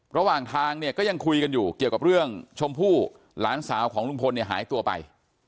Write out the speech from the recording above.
ระหว่างทางเนี่ยก็ยังคุยกันอยู่เกี่ยวกับเรื่องชมพู่หลานสาวของลุงพลเนี่ยหายตัวไป